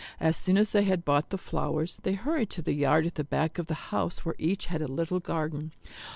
As soon as they had bought the flowers they hurried to the yard at the back of the house where each had a little garden.